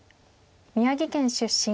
宮城県出身。